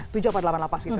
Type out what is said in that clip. tujuh atau delapan lapas